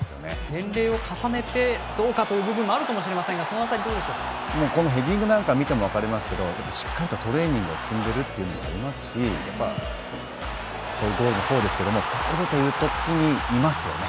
年齢を重ねて、どうかというのもあるかもしれませんがこのヘディングなんかを見ても分かりますがしっかりトレーニングを積んでいるのもありますしこういうゴールもそうですけれどここぞという時にいますよね